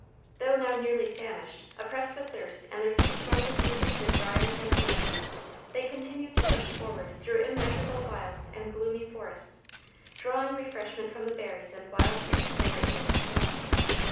Though now nearly famished, oppressed with thirst, and their feet sorely wounded with briars and thorns, they continued to push forward through immeasurable wilds and gloomy forests, drawing refreshment from the berries and wild fruits they were able to collect.